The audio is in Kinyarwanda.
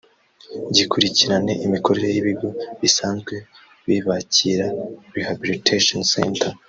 gikurikirane imikorere y’ibigo bisanzwe bibakira “Rehabilitation centers”